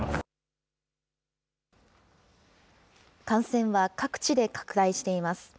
感染は各地で拡大しています。